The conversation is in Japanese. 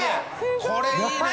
これいいね。